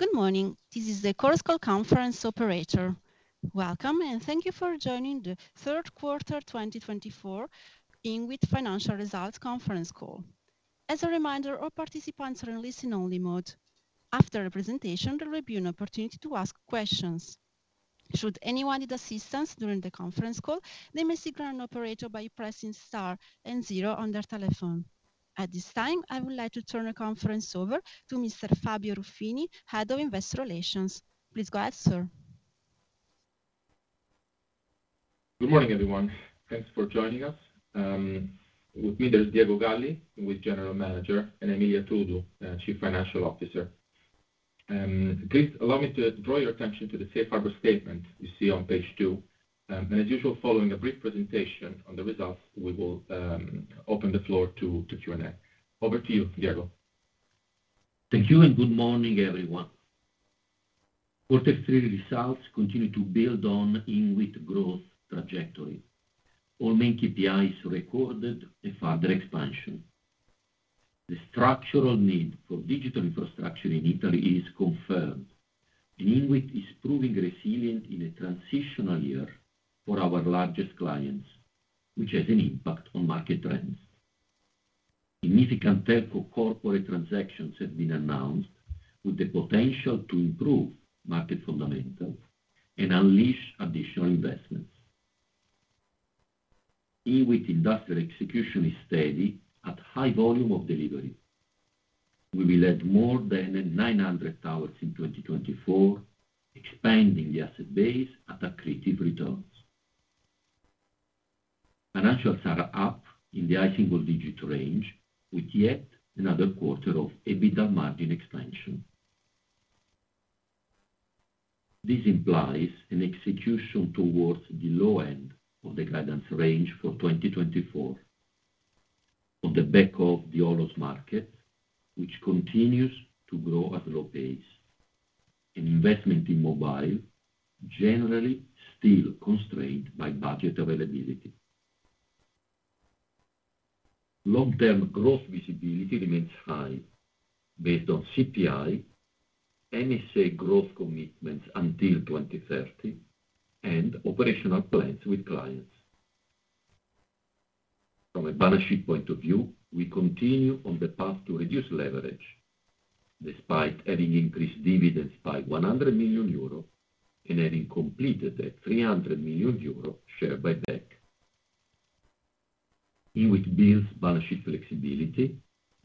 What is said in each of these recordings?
Good morning. This is the Chorus Call Conference Operator. Welcome, and thank you for joining the Third Quarter 2024 INWIT Financial Results Conference Call. As a reminder, all participants are in listen-only mode. After the presentation, there will be an opportunity to ask questions. Should anyone need assistance during the conference call, they may seek an operator by pressing star and zero on their telephone. At this time, I would like to turn the conference over to Mr. Fabio Ruffini, Head of Investor Relations. Please go ahead, sir. Good morning, everyone. Thanks for joining us. With me, there's Diego Galli, who is General Manager, and Emilia Trudu, Chief Financial Officer. Please allow me to draw your attention to the safe harbor statement you see on page two, and as usual, following a brief presentation on the results, we will open the floor to Q&A. Over to you, Diego. Thank you, and good morning, everyone. Quarter three results continue to build on INWIT's growth trajectory. All main KPIs recorded a further expansion. The structural need for digital infrastructure in Italy is confirmed. INWIT is proving resilient in a transitional year for our largest clients, which has an impact on market trends. Significant telco corporate transactions have been announced, with the potential to improve market fundamentals and unleash additional investments. INWIT's industrial execution is steady at high volume of delivery. We will add more than 900 towers in 2024, expanding the asset base at accretive returns. Financials are up in the high single-digit range, with yet another quarter of EBITDA margin expansion. This implies an execution towards the low end of the guidance range for 2024, on the back of the OLO market, which continues to grow at a low pace. Investment in mobile is generally still constrained by budget availability. Long-term growth visibility remains high, based on CPI, MSA growth commitments until 2030, and operational plans with clients. From a balance sheet point of view, we continue on the path to reduce leverage, despite having increased dividends by 100 million euro and having completed a 300 million euro share buyback. INWIT builds balance sheet flexibility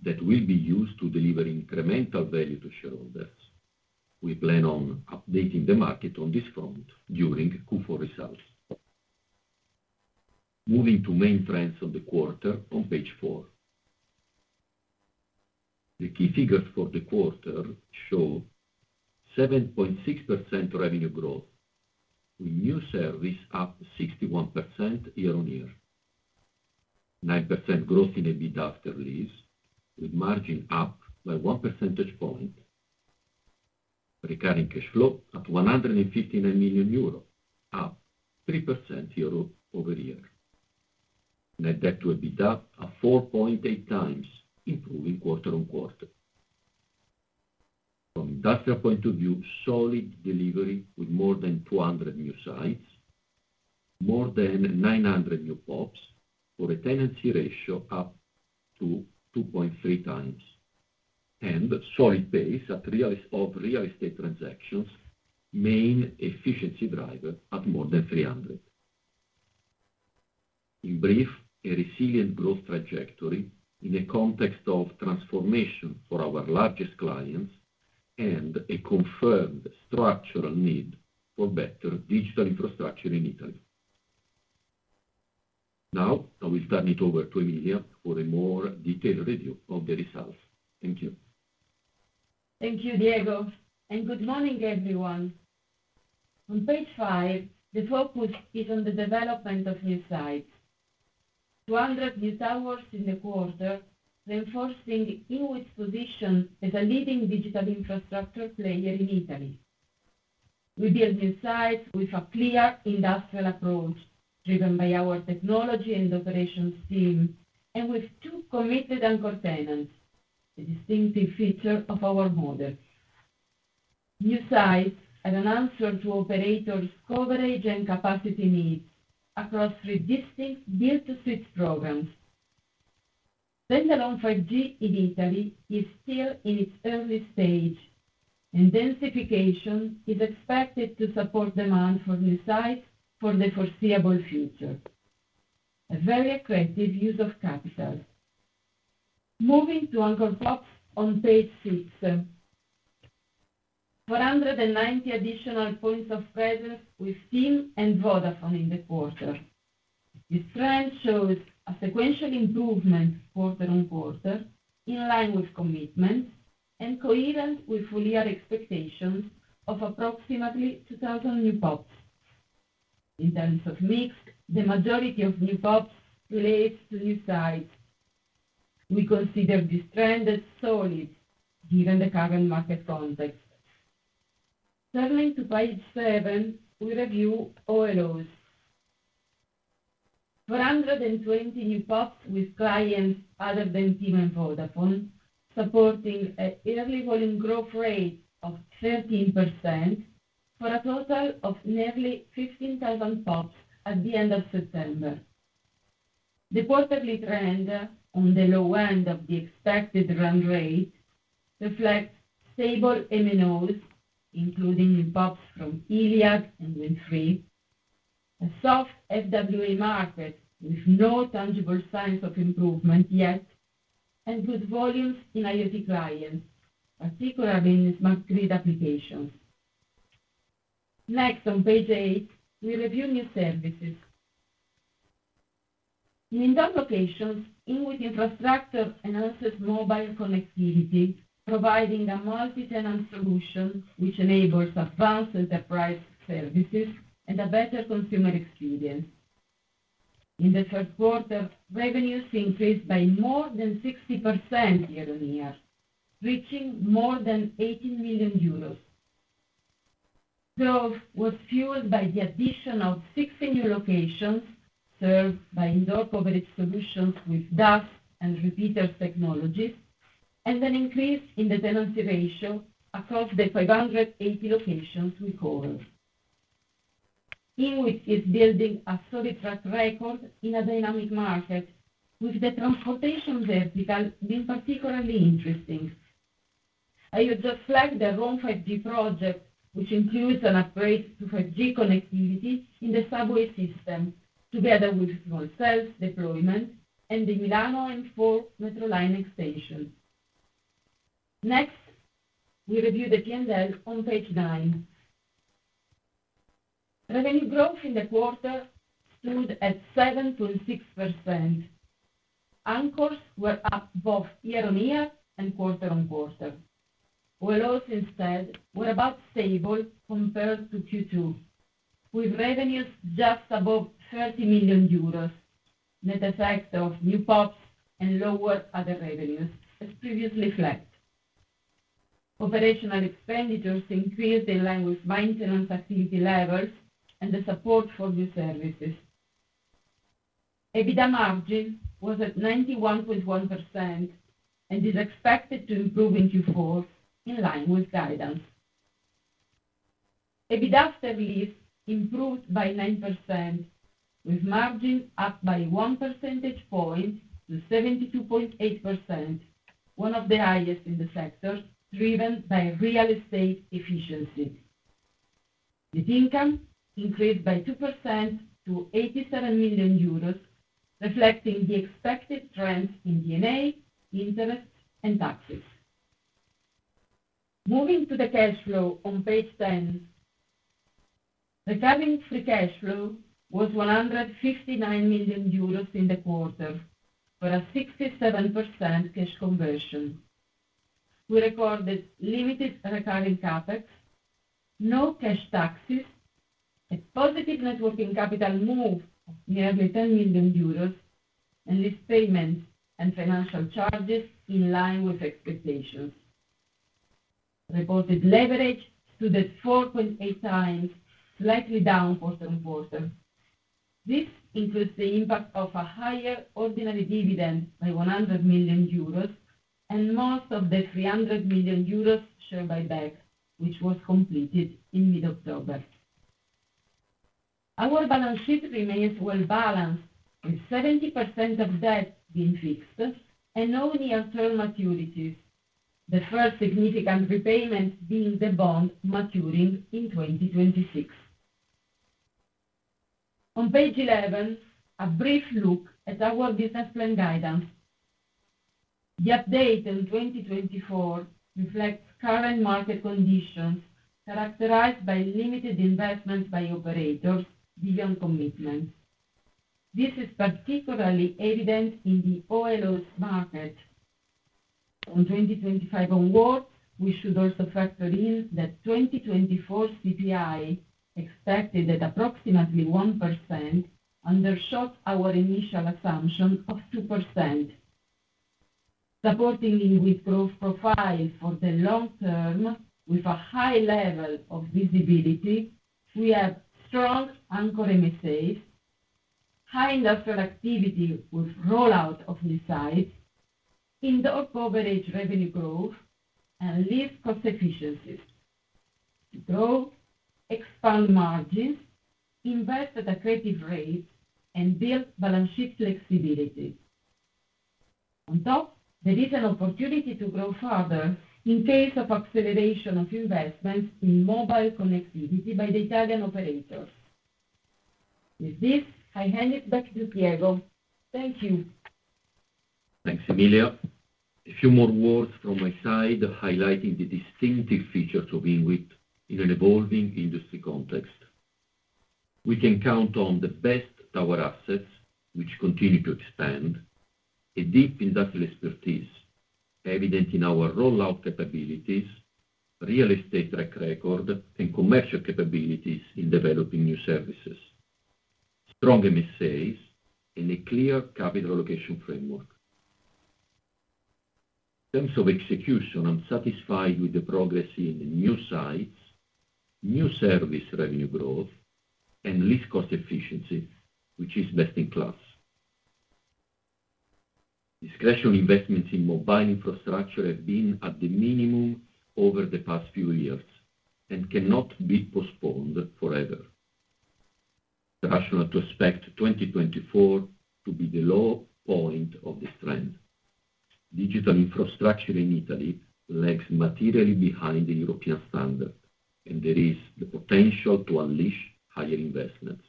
that will be used to deliver incremental value to shareholders. We plan on updating the market on this front during Q4 results. Moving to main trends of the quarter on page 4. The key figures for the quarter show 7.6% revenue growth, with new service up 61% year-on-year. 9% growth in EBITDA after lease, with margin up by one percentage point. Recurring cash flow at 159 million euro, up 3% year-over-year. Net debt to EBITDA at 4.8x, improving quarter on quarter. From an industrial point of view, solid delivery with more than 200 new sites, more than 900 new POPs, for a tenancy ratio up to 2.3x, and solid pace of real estate transactions, main efficiency driver at more than 300. In brief, a resilient growth trajectory in the context of transformation for our largest clients and a confirmed structural need for better digital infrastructure in Italy. Now, I will turn it over to Emilia for a more detailed review of the results. Thank you. Thank you, Diego. And good morning, everyone. On page 5, the focus is on the development of new sites. 200 new towers in the quarter, reinforcing INWIT's position as a leading digital infrastructure player in Italy. We build new sites with a clear industrial approach, driven by our technology and operations team, and with two committed anchor tenants, a distinctive feature of our model. New sites are an answer to operators' coverage and capacity needs across three distinct build-to-suit programs. Standalone 5G in Italy is still in its early stage, and densification is expected to support demand for new sites for the foreseeable future. A very attractive use of capital. Moving to anchor POPs on page 6. 490 additional points of presence with TIM and Vodafone in the quarter. This trend shows a sequential improvement quarter on quarter, in line with commitments and coherent with full-year expectations of approximately 2,000 new POPs. In terms of mix, the majority of new POPs relates to new sites. We consider this trend as solid given the current market context. Turning to page 7, we review OLOs. 420 new POPs with clients other than TIM and Vodafone, supporting an early volume growth rate of 13% for a total of nearly 15,000 POPs at the end of September. The quarterly trend, on the low end of the expected run rate, reflects stable MNOs, including new POPs from Iliad and WINDTRE, a soft FWA market with no tangible signs of improvement yet, and good volumes in IoT clients, particularly in smart grid applications. Next, on page 8, we review new services. In some locations, INWIT infrastructure enhances mobile connectivity, providing a multi-tenant solution which enables advanced enterprise services and a better consumer experience. In the third quarter, revenues increased by more than 60% year-on-year, reaching more than EUR 18 million. Growth was fueled by the addition of 60 new locations served by indoor coverage solutions with DAS and repeater technologies, and an increase in the tenancy ratio across the 580 locations we covered. INWIT is building a solid track record in a dynamic market, with the transportation vertical being particularly interesting. I would just flag the Rome 5G project, which includes an upgrade to 5G connectivity in the subway system, together with small cells deployment and the Milano M4 metro line extension. Next, we review the P&L on page 9. Revenue growth in the quarter stood at 7.6%. Anchors were up both year-on-year and quarter on quarter. OLOs, instead, were about stable compared to Q2, with revenues just above 30 million euros, net effect of new POPs and lower other revenues, as previously flagged. Operational expenditures increased in line with maintenance activity levels and the support for new services. EBITDA margin was at 91.1% and is expected to improve in Q4, in line with guidance. EBITDA after lease improved by 9%, with margin up by one percentage point to 72.8%, one of the highest in the sector, driven by real estate efficiency. Net income increased by 2% to 87 million euros, reflecting the expected trends in D&A, interest, and taxes. Moving to the cash flow on page 10. Recurring free cash flow was 159 million euros in the quarter, for a 67% cash conversion. We recorded limited recurring CapEx, no cash taxes, a positive net working capital move of nearly 10 million euros, and lease payments and financial charges in line with expectations. Reported leverage stood at 4.8x, slightly down quarter on quarter. This includes the impact of a higher ordinary dividend by 100 million euros and most of the 300 million euros share buyback, which was completed in mid-October. Our balance sheet remains well balanced, with 70% of debt being fixed and no near-term maturities, the first significant repayment being the bond maturing in 2026. On page 11, a brief look at our business plan guidance. The update in 2024 reflects current market conditions, characterized by limited investments by operators beyond commitments. This is particularly evident in the OLOs market. On 2025 onwards, we should also factor in that 2024 CPI expected at approximately 1% undershot our initial assumption of 2%. Supporting INWIT's growth profile for the long term, with a high level of visibility, we have strong anchor MSAs, high industrial activity with rollout of new sites, indoor coverage revenue growth, and lease cost efficiencies. To grow, expand margins, invest at accretive rates, and build balance sheet flexibility. On top, there is an opportunity to grow further in case of acceleration of investments in mobile connectivity by the Italian operators. With this, I hand it back to Diego. Thank you. Thanks, Emilia. A few more words from my side, highlighting the distinctive features of INWIT in an evolving industry context. We can count on the best tower assets, which continue to expand, a deep industrial expertise evident in our rollout capabilities, real estate track record, and commercial capabilities in developing new services, strong MSAs, and a clear capital allocation framework. In terms of execution, I'm satisfied with the progress in new sites, new service revenue growth, and lease cost efficiency, which is best in class. Discretionary investments in mobile infrastructure have been at the minimum over the past few years and cannot be postponed forever. It's rational to expect 2024 to be the low point of this trend. Digital infrastructure in Italy lags materially behind the European standard, and there is the potential to unleash higher investments.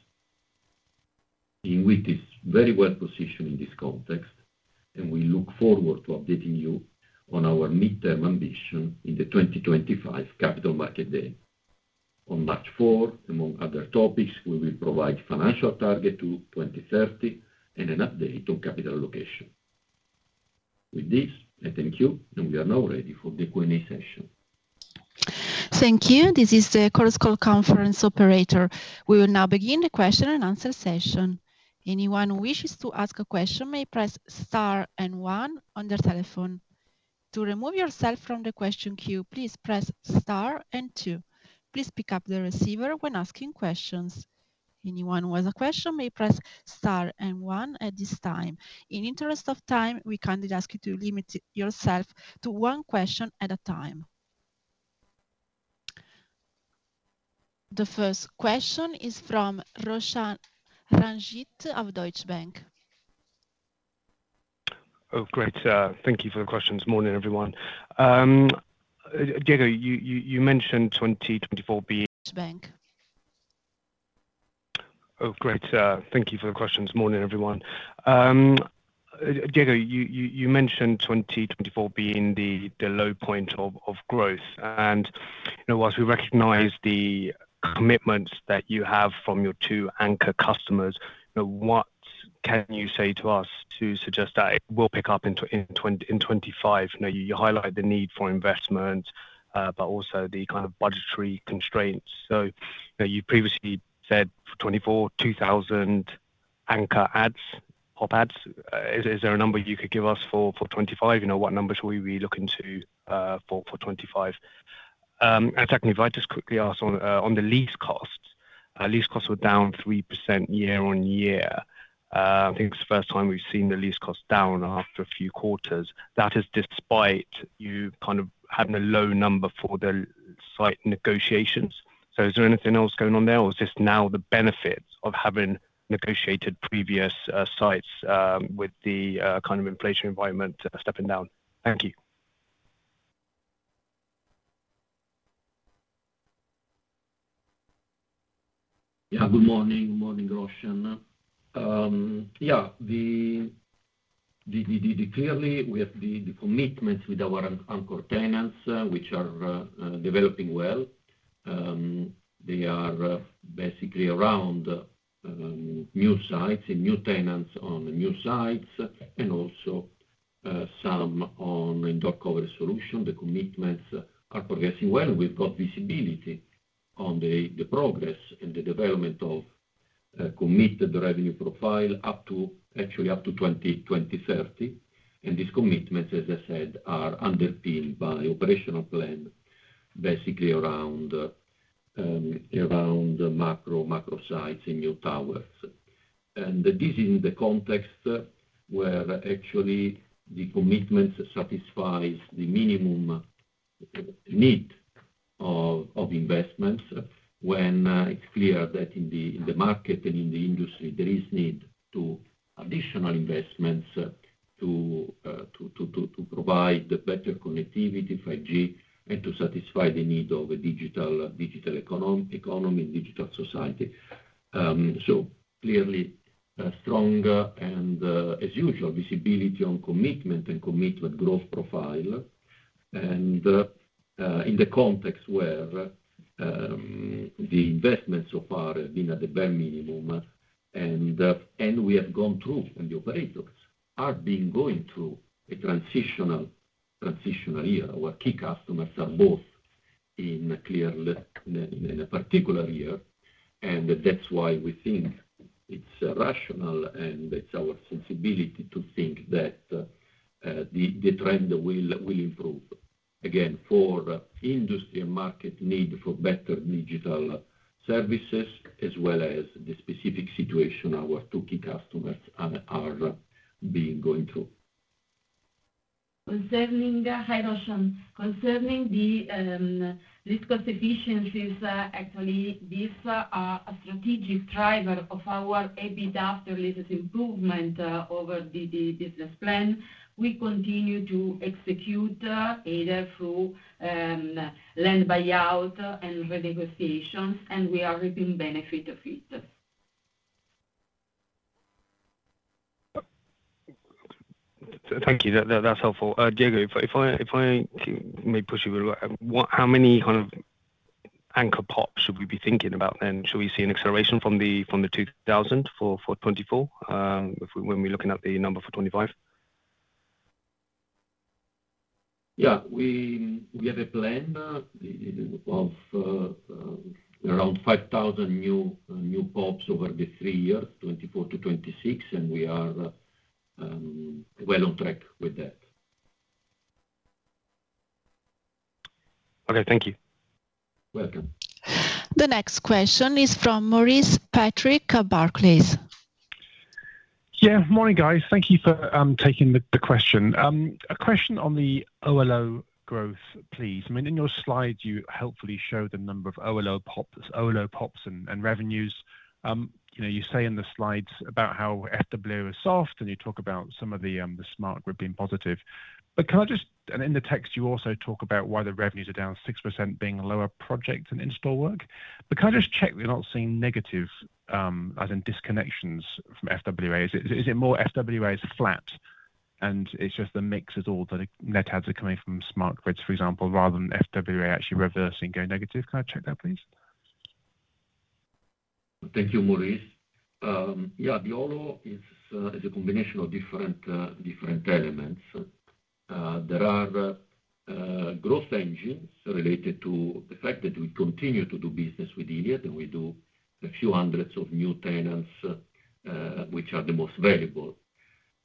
INWIT is very well positioned in this context, and we look forward to updating you on our midterm ambition in the 2025 Capital Market Day. On March 4, among other topics, we will provide financial target to 2030 and an update on capital allocation. With this, I thank you, and we are now ready for the Q&A session. Thank you. This is the Chorus Call conference operator. We will now begin the question and answer session. Anyone who wishes to ask a question may press star and one on their telephone. To remove yourself from the question queue, please press star and two. Please pick up the receiver when asking questions. Anyone who has a question may press star and one at this time. In the interest of time, we kindly ask you to limit yourself to one question at a time. The first question is from Roshan Ranjit of Deutsche Bank. Oh, great. Thank you for the question. Good morning, everyone. Diego, you mentioned 2024 being the low point of growth. And while we recognize the commitments that you have from your two anchor customers, what can you say to us to suggest that it will pick up in 2025? You highlight the need for investment, but also the kind of budgetary constraints. So you previously said for 2024, 2,000 anchor adds, POP adds. Is there a number you could give us for 2025? What number should we be looking to for 2025? And technically, if I just quickly ask on the lease costs, lease costs were down 3% year-on-year. I think it's the first time we've seen the lease costs down after a few quarters. That is despite you kind of having a low number for the site negotiations. So is there anything else going on there, or is this now the benefit of having negotiated previous sites with the kind of inflation environment stepping down? Thank you. Yeah, good morning. Good morning, Roshan. Yeah, clearly, we have the commitments with our anchor tenants, which are developing well. They are basically around new sites and new tenants on new sites, and also some on indoor coverage solution. The commitments are progressing well. We've got visibility on the progress and the development of committed revenue profile up to actually up to 2030. And these commitments, as I said, are underpinned by the operational plan, basically around macro sites and new towers. And this is in the context where actually the commitments satisfy the minimum need of investments when it's clear that in the market and in the industry, there is need for additional investments to provide better connectivity, 5G, and to satisfy the need of a digital economy and digital society. So clearly, strong and, as usual, visibility on commitment and commitment growth profile. In the context where the investments so far have been at the bare minimum, and we have gone through, and the operators are going through a transitional year. Our key customers are both in a particular year, and that's why we think it's rational, and it's our sensibility to think that the trend will improve. Again, for industry and market need for better digital services, as well as the specific situation our two key customers are going through. Concerning the lease cost efficiencies, actually, these are a strategic driver of our EBITDA after leases improvement over the business plan. We continue to execute either through land buyout and renegotiations, and we are reaping benefit of it. Thank you. That's helpful. Diego, if I may push you a bit away, how many kinds of anchor POPs should we be thinking about then? Should we see an acceleration from the 2,000 for 2024 when we're looking at the number for 2025? Yeah, we have a plan of around 5,000 new POPs over the three years, 2024 to 2026, and we are well on track with that. Okay, thank you. Welcome. The next question is from Maurice Patrick Barclays. Yeah, morning, guys. Thank you for taking the question. A question on the OLO growth, please. I mean, in your slides, you helpfully show the number of OLO POPs and revenues. You say in the slides about how FWA are soft, and you talk about some of the smart grid being positive. But can I just, and in the text, you also talk about why the revenues are down 6% being lower projects and install work. But can I just check that you're not seeing negative, as in disconnections from FWA? Is it more FWA is flat, and it's just the mix of all the net adds are coming from smart grids, for example, rather than FWA actually reversing going negative? Can I check that, please? Thank you, Maurice. Yeah, the OLO is a combination of different elements. There are growth engines related to the fact that we continue to do business with Iliad, and we do a few hundreds of new tenants, which are the most valuable,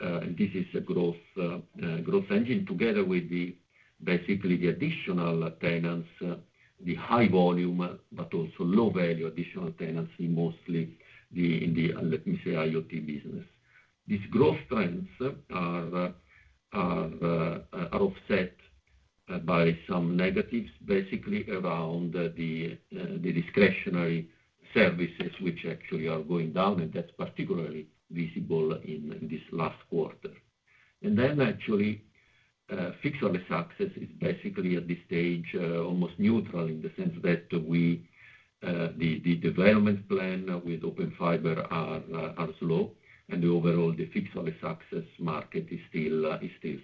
and this is a growth engine together with basically the additional tenants, the high volume, but also low value additional tenants in mostly the, let me say, IoT business. These growth trends are offset by some negatives, basically around the discretionary services, which actually are going down, and that's particularly visible in this last quarter, and then actually, fixed wireless access is basically at this stage almost neutral in the sense that the development plan with Open Fiber is low, and overall, the fixed wireless access market is still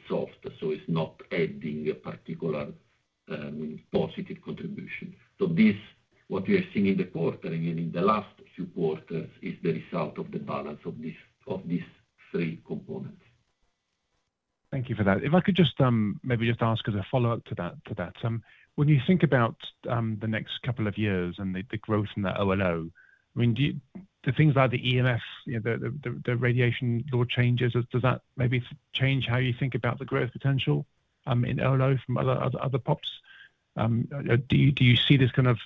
soft, so it's not adding a particular positive contribution. So this, what we are seeing in the quarter and in the last few quarters, is the result of the balance of these three components. Thank you for that. If I could just maybe just ask as a follow-up to that, when you think about the next couple of years and the growth in the OLO, I mean, the things like the EMF, the radiation law changes, does that maybe change how you think about the growth potential in OLO from other POPs? Do you see this kind of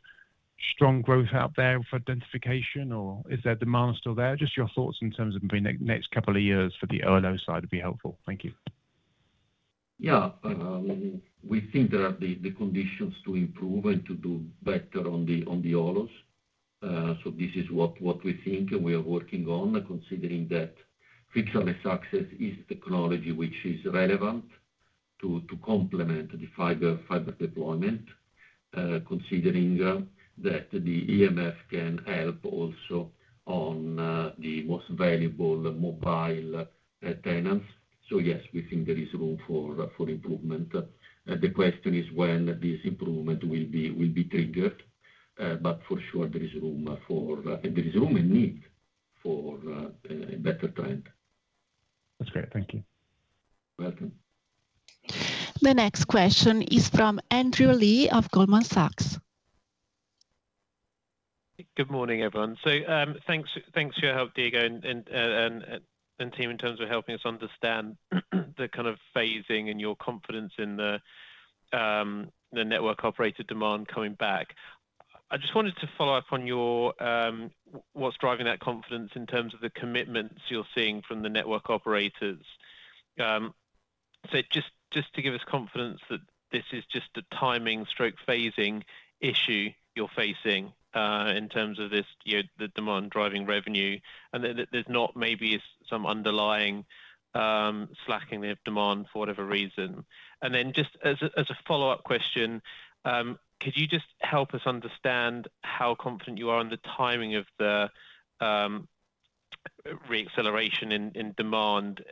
strong growth out there for densification, or is there demand still there? Just your thoughts in terms of maybe the next couple of years for the OLO side would be helpful. Thank you. Yeah, we think that the conditions to improve and to do better on the OLOs. So this is what we think and we are working on, considering that fixed wireless access is the technology which is relevant to complement the fiber deployment, considering that the EMF can help also on the most valuable mobile tenants. So yes, we think there is room for improvement. The question is when this improvement will be triggered, but for sure, there is room for and there is room and need for a better trend. That's great. Thank you. Welcome. The next question is from Andrew Lee of Goldman Sachs. Good morning, everyone. So thanks for your help, Diego and team, in terms of helping us understand the kind of phasing and your confidence in the network operator demand coming back. I just wanted to follow up on what's driving that confidence in terms of the commitments you're seeing from the network operators. So just to give us confidence that this is just a timing/phasing issue you're facing in terms of the demand driving revenue, and that there's not maybe some underlying slacking of demand for whatever reason. And then just as a follow-up question, could you just help us understand how confident you are in the timing of the reacceleration in demand,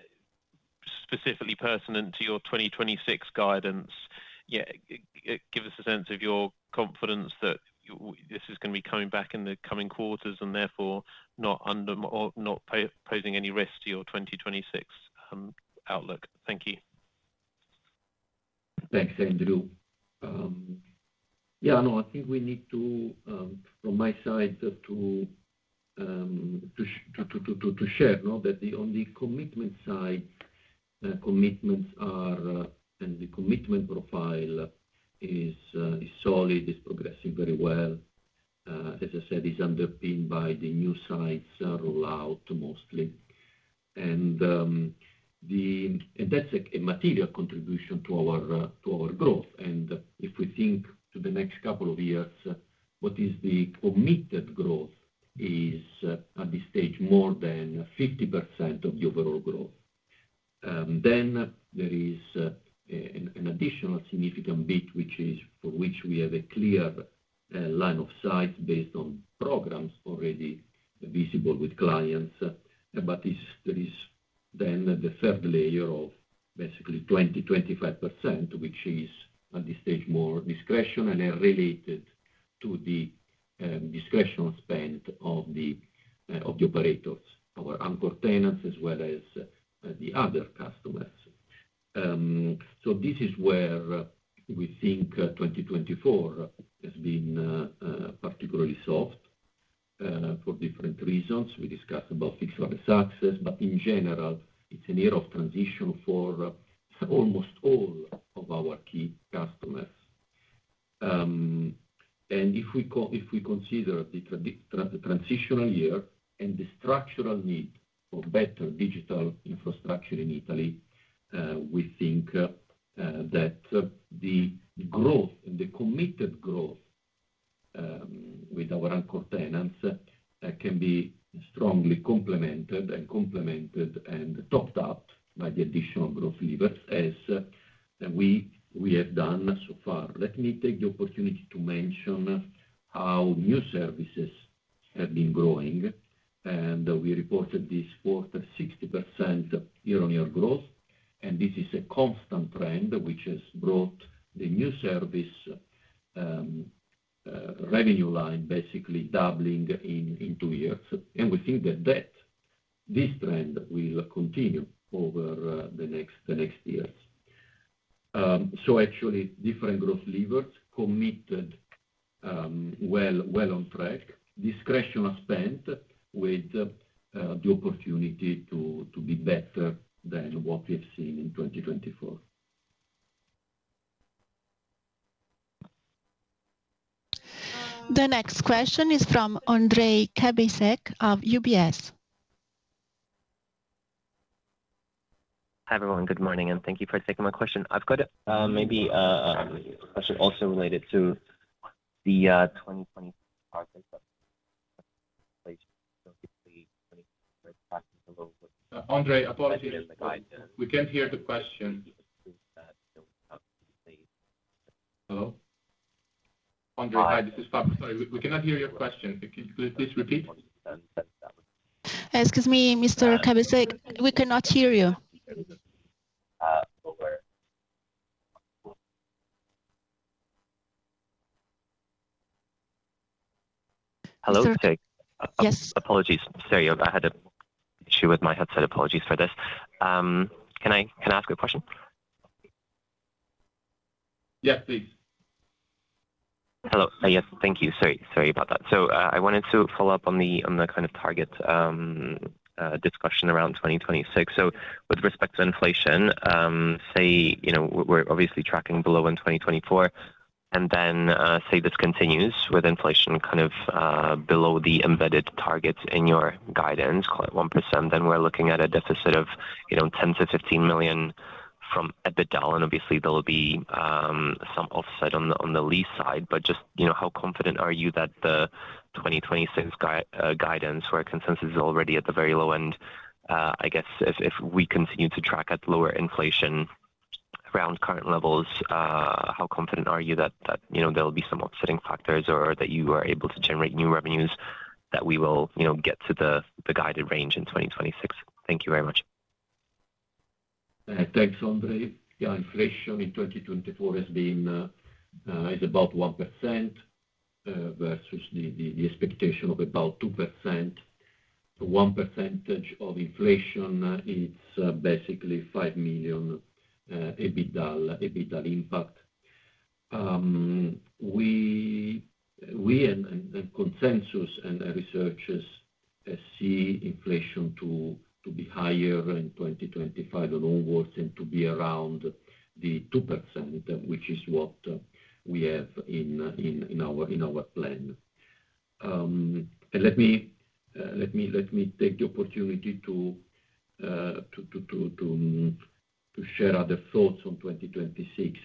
specifically pertinent to your 2026 guidance? Give us a sense of your confidence that this is going to be coming back in the coming quarters and therefore not posing any risk to your 2026 outlook. Thank you. Thanks, Andrew. Yeah, no, I think we need to, from my side, to share that on the commitment side, commitments are and the commitment profile is solid, is progressing very well. As I said, it's underpinned by the new sites roll-out mostly. And that's a material contribution to our growth. And if we think to the next couple of years, what is the committed growth is at this stage more than 50% of the overall growth. Then there is an additional significant bit, for which we have a clear line of sight based on programs already visible with clients. But there is then the third layer of basically 20%-25%, which is at this stage more discretion and related to the discretionary spend of the operators, our anchor tenants, as well as the other customers. So this is where we think 2024 has been particularly soft for different reasons. We discussed about fixed wireless access, but in general, it's an era of transition for almost all of our key customers. And if we consider the transitional year and the structural need for better digital infrastructure in Italy, we think that the growth and the committed growth with our anchor tenants can be strongly complemented and topped up by the additional growth levers as we have done so far. Let me take the opportunity to mention how new services have been growing, and we reported this quarter 60% year-on-year growth, and this is a constant trend which has brought the new service revenue line basically doubling in two years. And we think that this trend will continue over the next years. So actually, different growth levers committed well on track, discretionary spend with the opportunity to be better than what we have seen in 2024. The next question is from Ondrej Cabejsek of UBS. Hi everyone, good morning, and thank you for taking my question. I've got maybe a question also related to the 2024 market. Ondrej, apologies. We can't hear the question. Hello? Ondrej, hi, this is Fabio. Sorry, we cannot hear your question. Could you please repeat? Excuse me, Mr. Cabejsek, we cannot hear you. Hello, sorry. Sir? Apologies. Sorry, I had an issue with my headset. Apologies for this. Can I ask a question? Yes, please. Hello. Yes, thank you. Sorry about that. So I wanted to follow up on the kind of target discussion around 2026. So with respect to inflation, say we're obviously tracking below in 2024, and then say this continues with inflation kind of below the embedded targets in your guidance, call it 1%, then we're looking at a deficit of 10 million-15 million from EBITDA, and obviously, there will be some offset on the lease side. But just how confident are you that the 2026 guidance, where consensus is already at the very low end, I guess if we continue to track at lower inflation around current levels, how confident are you that there will be some offsetting factors or that you are able to generate new revenues that we will get to the guided range in 2026? Thank you very much. Thanks, Ondrej. Yeah, inflation in 2024 is about 1% versus the expectation of about 2%. The 1% of inflation, it's basically 5 million EBITDA impact. We and consensus and researchers see inflation to be higher in 2025 onwards and to be around the 2%, which is what we have in our plan. And let me take the opportunity to share other thoughts on 2026,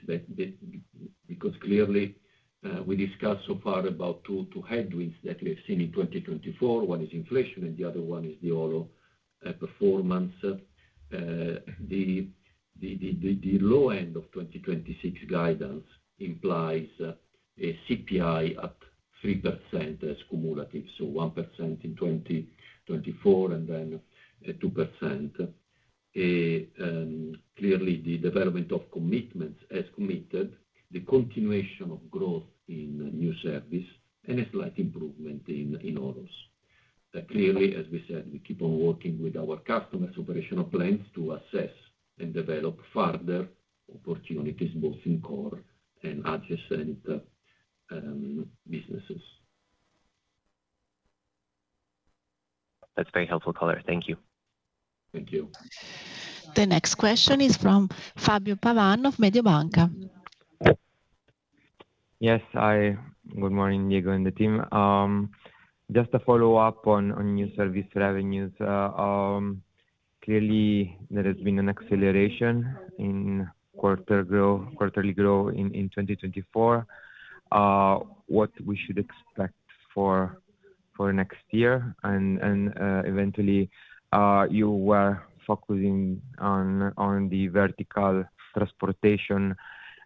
because clearly, we discussed so far about two headwinds that we have seen in 2024. One is inflation, and the other one is the OLO performance. The low end of 2026 guidance implies a CPI at 3% cumulative, so 1% in 2024 and then 2%. Clearly, the development of commitments as committed, the continuation of growth in new service, and a slight improvement in OLOs. Clearly, as we said, we keep on working with our customers' operational plans to assess and develop further opportunities, both in core and adjacent businesses. That's very helpful, caller. Thank you. Thank you. The next question is from Fabio Pavan of Mediobanca. Yes, hi. Good morning, Diego and the team. Just a follow-up on new service revenues. Clearly, there has been an acceleration in quarterly growth in 2024. What we should expect for next year? And eventually, you were focusing on the vertical transportation.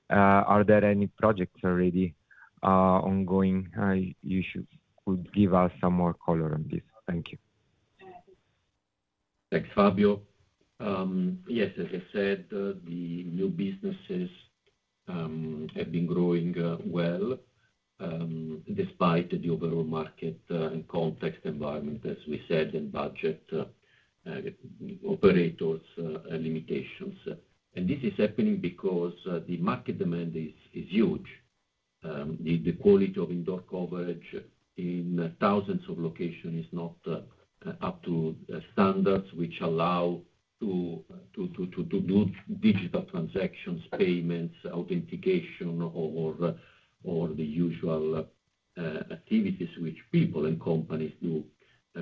Are there any projects already ongoing? You should give us some more color on this. Thank you. Thanks, Fabio. Yes, as I said, the new businesses have been growing well despite the overall market and context environment, as we said, and budget, operators, limitations. And this is happening because the market demand is huge. The quality of indoor coverage in thousands of locations is not up to standards, which allow to do digital transactions, payments, authentication, or the usual activities which people and companies do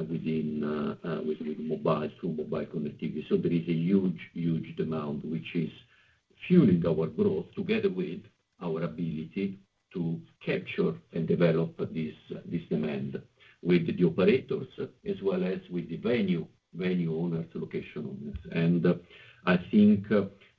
within mobile through mobile connectivity. So there is a huge, huge demand, which is fueling our growth together with our ability to capture and develop this demand with the operators, as well as with the venue owners, location owners. And I think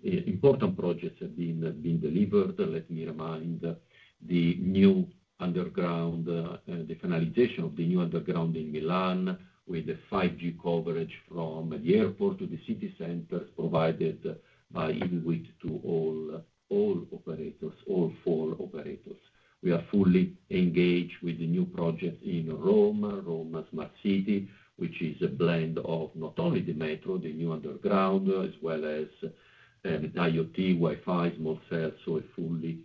important projects have been delivered. Let me remind the new underground, the finalization of the new underground in Milan, with the 5G coverage from the airport to the city centers provided by INWIT to all operators, all four operators. We are fully engaged with the new project in Rome, Roma Smart City, which is a blend of not only the metro, the new underground, as well as IoT, Wi-Fi, small cells, so a full-fledged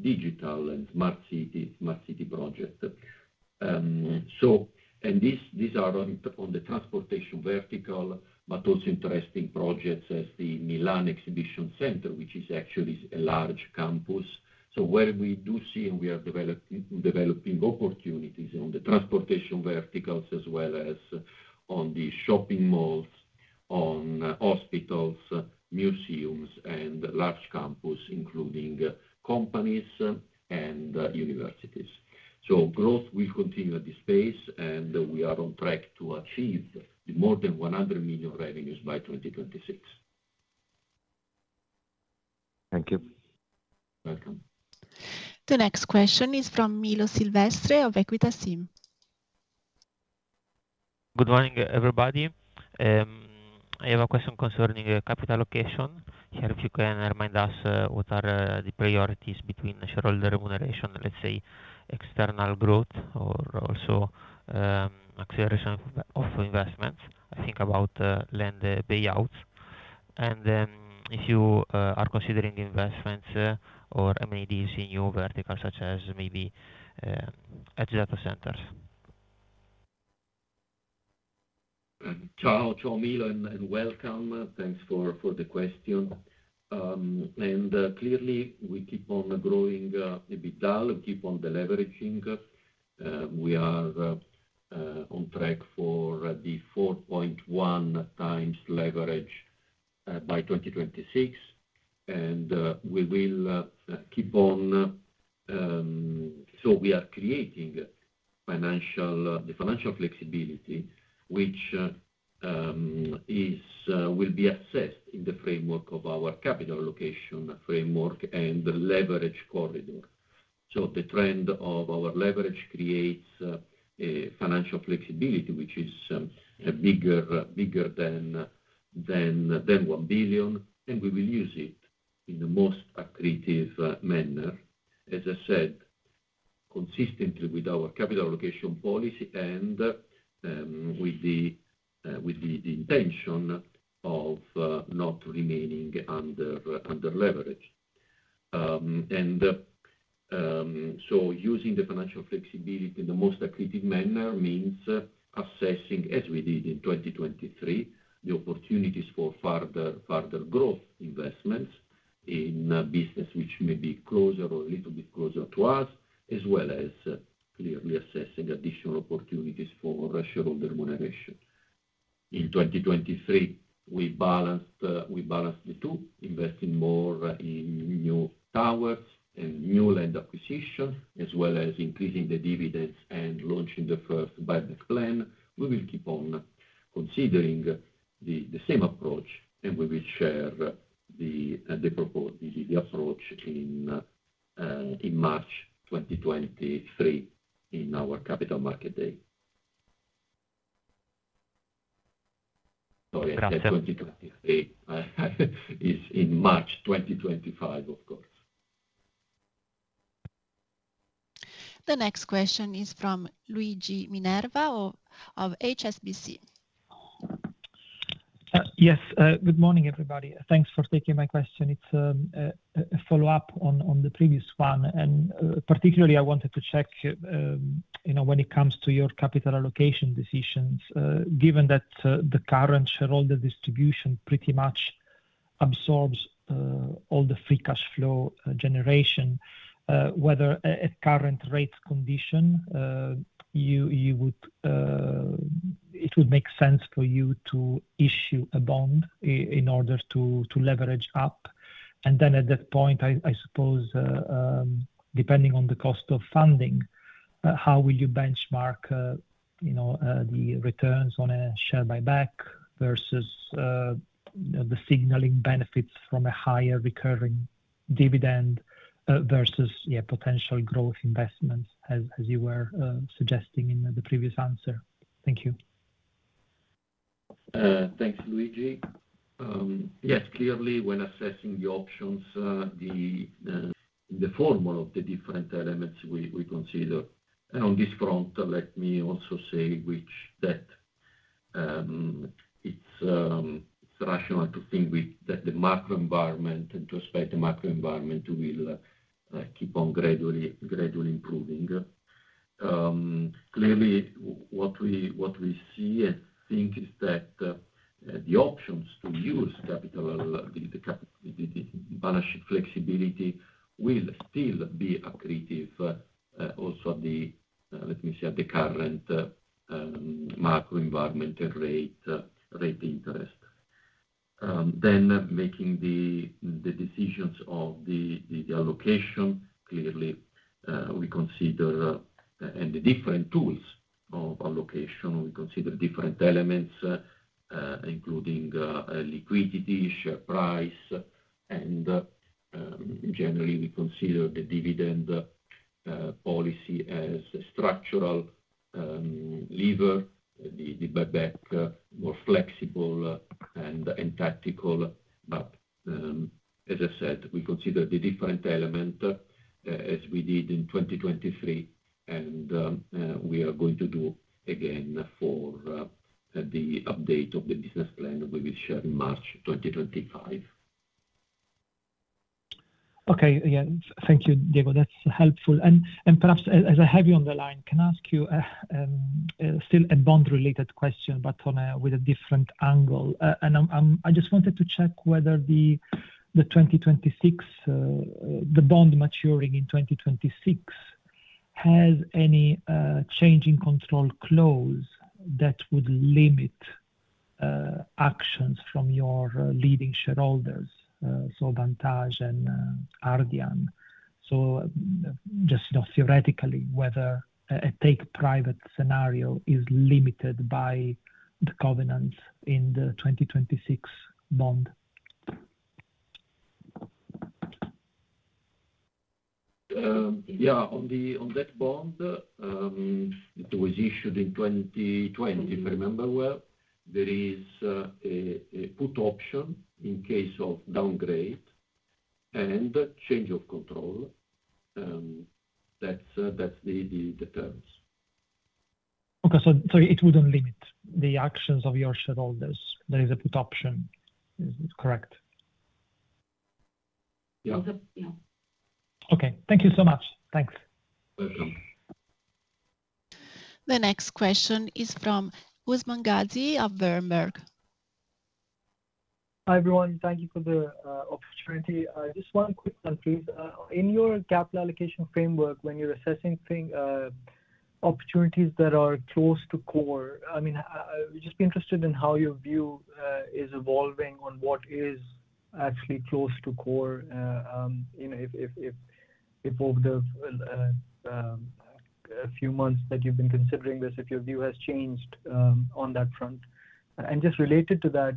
digital and smart city project. And these are on the transportation vertical, but also interesting projects as the Milan Exhibition Center, which is actually a large campus. So where we do see and we are developing opportunities on the transportation verticals, as well as on the shopping malls, on hospitals, museums, and large campus, including companies and universities. So growth will continue at this pace, and we are on track to achieve more than 100 million revenues by 2026. Thank you. Welcome. The next question is from Milo Silvestre of Equita SIM. Good morning, everybody. I have a question concerning capital allocation. If you can remind us, what are the priorities between shareholder remuneration, let's say external growth, or also acceleration of investments? I think about land buyouts. And if you are considering investments or M&As in your vertical, such as maybe edge data centers. Ciao, ciao, Milo, and welcome. Thanks for the question. Clearly, we keep on growing EBITDA, keep on leveraging. We are on track for the 4.1x leverage by 2026, and we will keep on. We are creating the financial flexibility, which will be assessed in the framework of our capital allocation framework and leverage corridor. The trend of our leverage creates financial flexibility, which is bigger than 1 billion, and we will use it in the most accretive manner. As I said, consistently with our capital allocation policy and with the intention of not remaining under leverage. Using the financial flexibility in the most accretive manner means assessing, as we did in 2023, the opportunities for further growth investments in business, which may be closer or a little bit closer to us, as well as clearly assessing additional opportunities for shareholder remuneration. In 2023, we balanced the two, investing more in new towers and new land acquisition, as well as increasing the dividends and launching the first buyback plan. We will keep on considering the same approach, and we will share the approach in March 2023 in our Capital Market Day. Sorry, I said 2023. It's in March 2025, of course. The next question is from Luigi Minerva of HSBC. Yes, good morning, everybody. Thanks for taking my question. It's a follow-up on the previous one. And particularly, I wanted to check when it comes to your capital allocation decisions, given that the current shareholder distribution pretty much absorbs all the free cash flow generation. Whether at current rate condition, it would make sense for you to issue a bond in order to leverage up. And then at that point, I suppose, depending on the cost of funding, how will you benchmark the returns on a share buyback versus the signaling benefits from a higher recurring dividend versus potential growth investments, as you were suggesting in the previous answer? Thank you. Thanks, Luigi. Yes, clearly, when assessing the options, in the form of the different elements we consider. And on this front, let me also say that it's rational to think that the macro environment, and to expect the macro environment, will keep on gradually improving. Clearly, what we see, I think, is that the options to use capital flexibility will still be accretive also at the, let me say, at the current macro environmental rate interest. Then making the decisions of the allocation, clearly, we consider the different tools of allocation. We consider different elements, including liquidity, share price, and generally, we consider the dividend policy as a structural lever, the buyback, more flexible and tactical. But as I said, we consider the different elements as we did in 2023, and we are going to do again for the update of the business plan that we will share in March 2025. Okay. Yeah. Thank you, Diego. That's helpful. And perhaps, as I have you on the line, can I ask you still a bond-related question, but with a different angle? And I just wanted to check whether the bond maturing in 2026 has any change of control clause that would limit actions from your leading shareholders, so Vantage Towers and Ardian? So just theoretically, whether a take-private scenario is limited by the covenants in the 2026 bond? Yeah. On that bond, it was issued in 2020, if I remember well. There is a put option in case of downgrade and change of control. That's the terms. Okay. So it wouldn't limit the actions of your shareholders. There is a put option. Is it correct? Yeah. Okay. Thank you so much. Thanks. Welcome. The next question is from Usman Ghazi of Berenberg. Hi, everyone. Thank you for the opportunity. Just one quick one, please. In your capital allocation framework, when you're assessing opportunities that are close to core, I mean, I would just be interested in how your view is evolving on what is actually close to core. If over the few months that you've been considering this, if your view has changed on that front. And just related to that,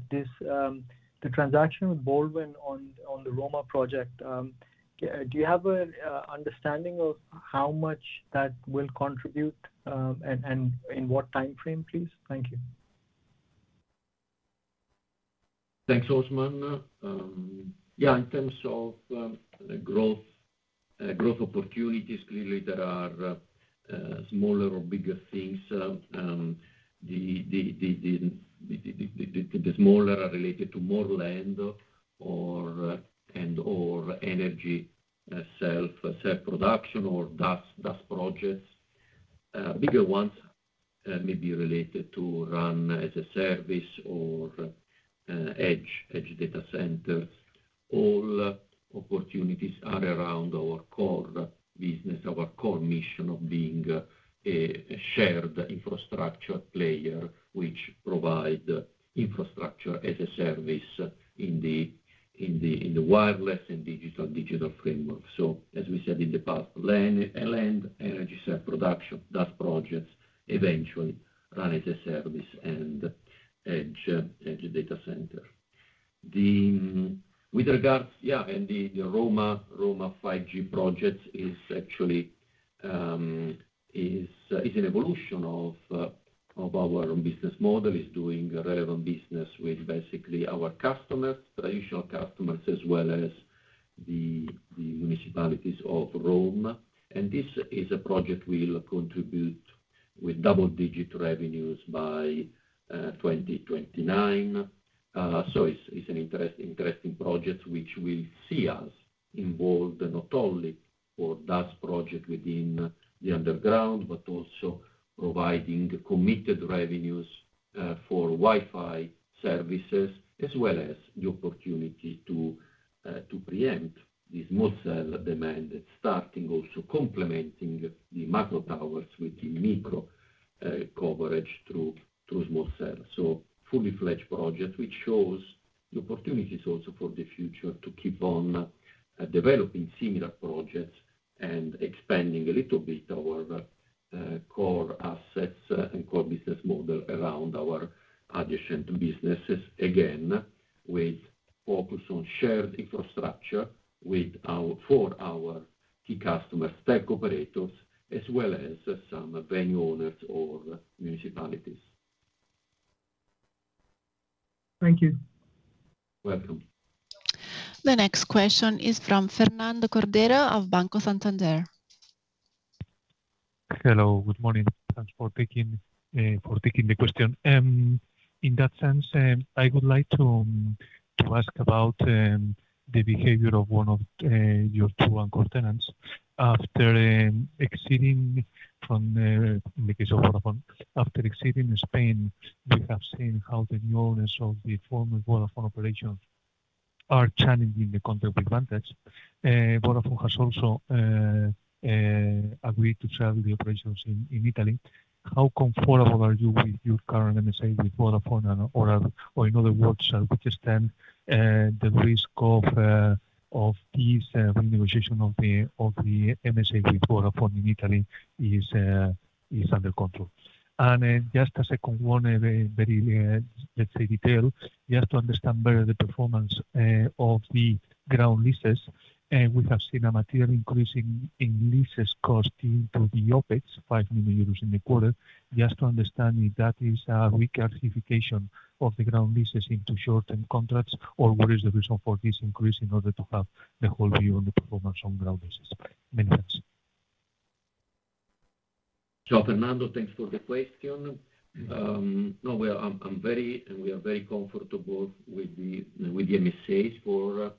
the transaction with Boldyn on the Roma project, do you have an understanding of how much that will contribute and in what timeframe, please? Thank you. Thanks, Usman. Yeah. In terms of growth opportunities, clearly, there are smaller or bigger things. The smaller are related to more land and/or energy self-production or DAS projects. Bigger ones may be related to RAN as a service or edge data centers. All opportunities are around our core business, our core mission of being a shared infrastructure player, which provides infrastructure as a service in the wireless and digital framework. So as we said in the past, land, energy, self-production, DAS projects eventually RAN as a service and edge data center. With regards, yeah, and the Roma 5G project is actually an evolution of our business model, is doing relevant business with basically our customers, traditional customers, as well as the municipalities of Rome. And this is a project we'll contribute with double-digit revenues by 2029. It's an interesting project which will see us involved not only for DAS project within the underground, but also providing committed revenues for Wi-Fi services, as well as the opportunity to preempt the small cell demand that's starting also complementing the macro towers with the micro coverage through small cell. Fully-fledged project, which shows the opportunities also for the future to keep on developing similar projects and expanding a little bit our core assets and core business model around our adjacent businesses, again, with focus on shared infrastructure for our key customers, tech operators, as well as some venue owners or municipalities. Thank you. Welcome. The next question is from Fernando Cordero of Banco Santander. Hello. Good morning. Thanks for taking the question. In that sense, I would like to ask about the behavior of one of your two anchor tenants. After exiting from, in the case of Vodafone, after exiting Spain, we have seen how the new owners of the former Vodafone operations are challenging the contract with Vantage. Vodafone has also agreed to sell the operations in Italy. How comfortable are you with your current MSA with Vodafone? Or in other words, we understand the risk of this renegotiation of the MSA with Vodafone in Italy is under control, and just a second one, very, let's say, detailed, just to understand better the performance of the ground leases, we have seen a material increase in lease costs to the OpEx, 5 million euros in the quarter. Just to understand if that is a weaker classification of the ground leases into short-term contracts, or what is the reason for this increase in order to have the whole view on the performance on ground leases? Many thanks. Ciao, Fernando. Thanks for the question. No, well, I'm very and we are very comfortable with the MSAs for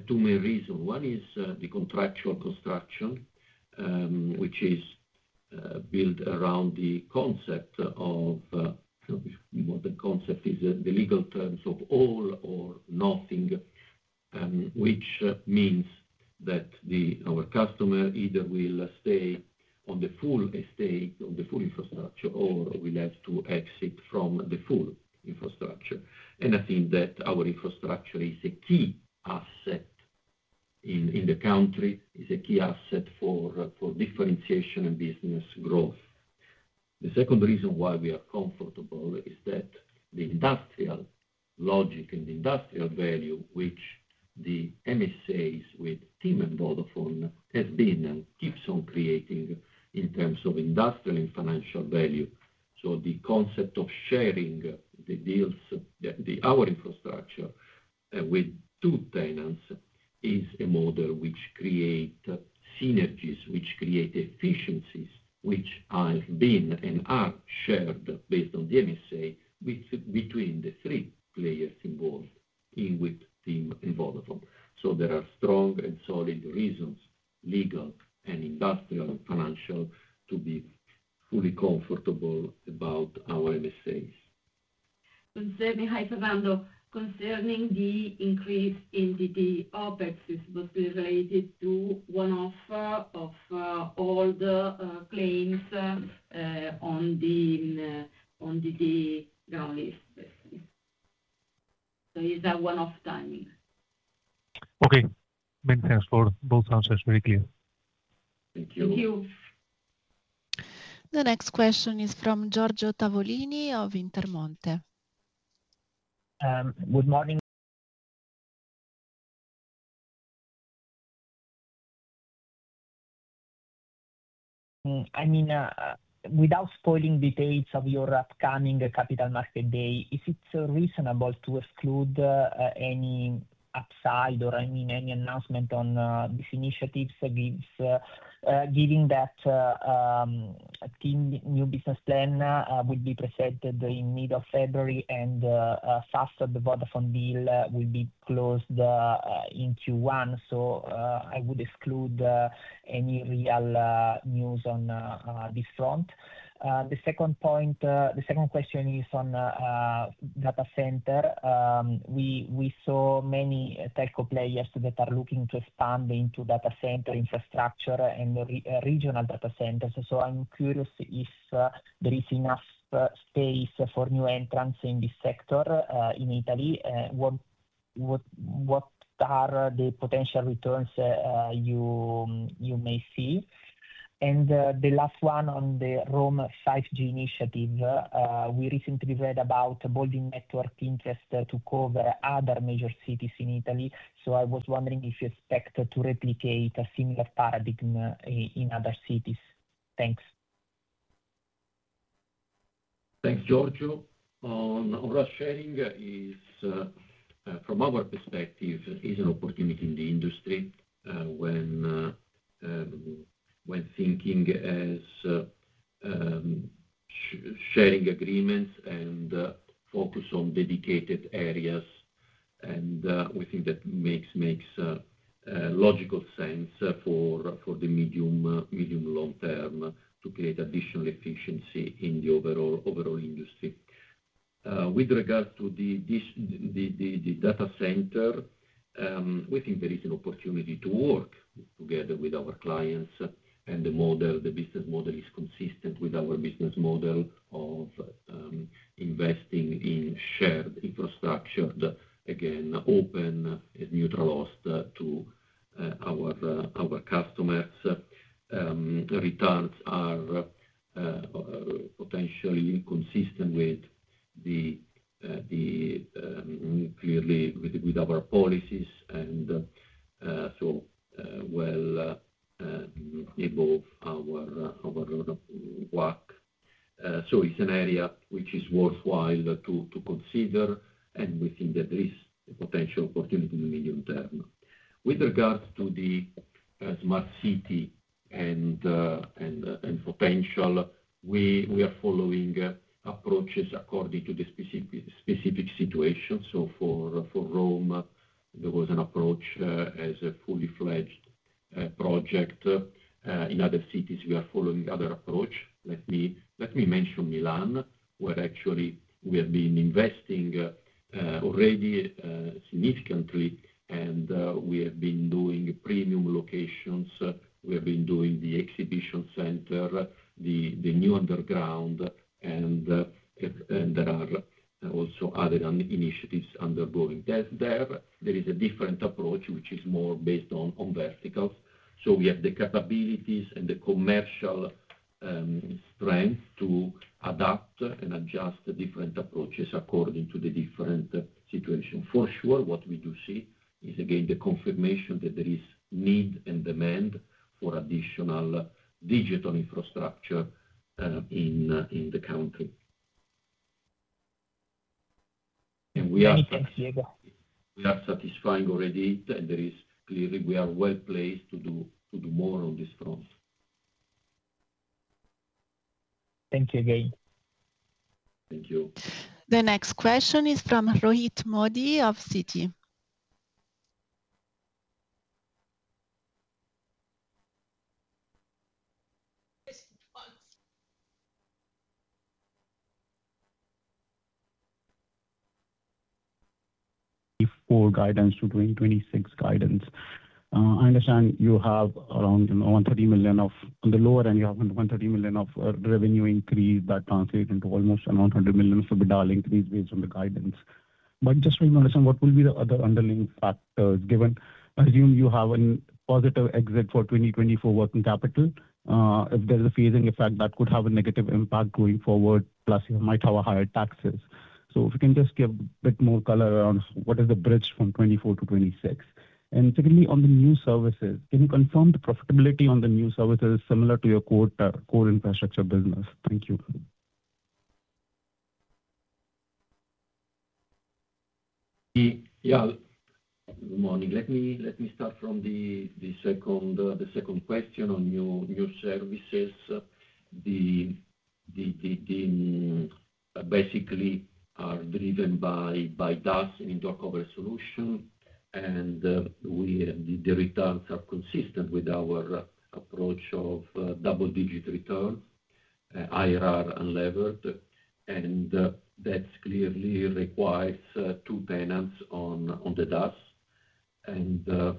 two main reasons. One is the contractual construction, which is built around the concept of, what the concept is, the legal terms of all or nothing, which means that our customer either will stay on the full estate, on the full infrastructure, or will have to exit from the full infrastructure, and I think that our infrastructure is a key asset in the country, is a key asset for differentiation and business growth. The second reason why we are comfortable is that the industrial logic and the industrial value, which the MSAs with TIM and Vodafone have been and keeps on creating in terms of industrial and financial value. So the concept of sharing the deals, our infrastructure with two tenants is a model which creates synergies, which creates efficiencies, which have been and are shared based on the MSA between the three players involved with TIM and Vodafone. So there are strong and solid reasons, legal and industrial and financial, to be fully comfortable about our MSAs. Concerning, hi Fernando, concerning the increase in the OpEx, it's mostly related to one-off old claims on the ground lease. So this is one-off timing. Okay. Many thanks for both answers. Very clear. Thank you. The next question is from Giorgio Tavolini of Intermonte. Good morning. I mean, without spoiling details of your upcoming Capital Market Day, is it reasonable to exclude any upside or, I mean, any announcement on these initiatives given that TIM's new business plan will be presented in mid-February and Fastweb+Vodafone deal will be closed in Q1? So I would exclude any real news on this front. The second question is on data center. We saw many telco players that are looking to expand into data center infrastructure and regional data centers. So I'm curious if there is enough space for new entrants in this sector in Italy. What are the potential returns you may see? And the last one on the Roma 5G initiative, we recently read about a Boldyn Networks interest to cover other major cities in Italy. So I was wondering if you expect to replicate a similar paradigm in other cities. Thanks. Thanks, Giorgio. On our sharing, from our perspective, is an opportunity in the industry when thinking as sharing agreements and focus on dedicated areas. And we think that makes logical sense for the medium-long term to create additional efficiency in the overall industry. With regards to the data center, we think there is an opportunity to work together with our clients. And the business model is consistent with our business model of investing in shared infrastructure, again, open and neutral host to our customers. Returns are potentially consistent with clearly with our policies and so well above our work. So it's an area which is worthwhile to consider, and we think that there is a potential opportunity in the medium term. With regards to the smart city and potential, we are following approaches according to the specific situation. So for Rome, there was an approach as a fully-fledged project. In other cities, we are following other approach. Let me mention Milan, where actually we have been investing already significantly, and we have been doing premium locations. We have been doing the exhibition center, the new underground, and there are also other initiatives undergoing. There is a different approach, which is more based on verticals. So we have the capabilities and the commercial strength to adapt and adjust different approaches according to the different situation. For sure, what we do see is, again, the confirmation that there is need and demand for additional digital infrastructure in the country. And we are satisfying already, and there is clearly we are well placed to do more on this front. Thank you Diego. Thank you. The next question is from Rohit Modi of Citi. Before guidance to 2026 guidance. I understand you have around 130 million of; on the lower end, you have 130 million of revenue increase that translates into almost 100 million of an EBITDA increase based on the guidance. But just to make you understand, what will be the other underlying factors given I assume you have a positive exit for 2024 working capital? If there's a phasing effect, that could have a negative impact going forward, plus you might have higher taxes. So if you can just give a bit more color around what is the bridge from 2024 to 2026? And secondly, on the new services, can you confirm the profitability on the new services is similar to your core infrastructure business? Thank you. Yeah. Good morning. Let me start from the second question on new services. Basically, they are driven by DAS and Indoor Coverage Solutions, and the returns are consistent with our approach of double-digit return, IRR unlevered. And that clearly requires two tenants on the DAS. And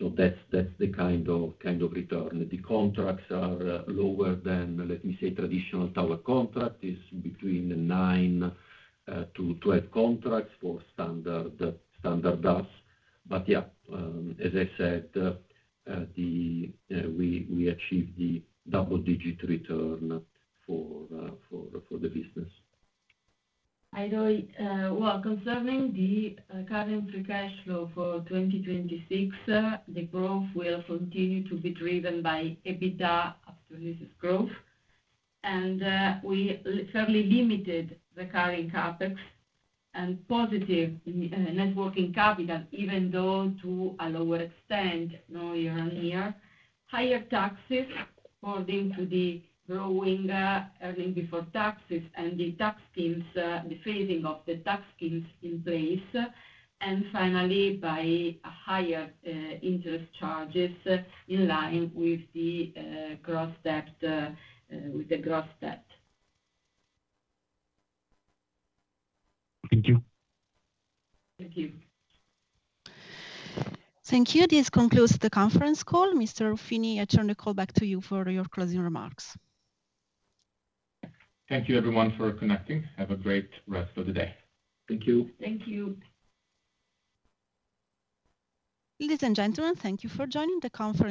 so that's the kind of return. The contracts are lower than, let me say, traditional tower contract. It's between 9-12 contracts for standard DAS. But yeah, as I said, we achieve the double-digit return for the business. I know. Well, concerning the recurring free cash flow for 2026, the growth will continue to be driven by EBITDA growth, and we fairly limited the current CapEx and positive working capital, even though to a lower extent now year on year, higher taxes according to the growing earnings before taxes and the tax schemes, the phasing of the tax schemes in place, and finally, by higher interest charges in line with the gross debt. Thank you. Thank you. Thank you. This concludes the conference call. Mr. Ruffini, I turn the call back to you for your closing remarks. Thank you, everyone, for connecting. Have a great rest of the day. Thank you. Thank you. Ladies and gentlemen, thank you for joining the conference.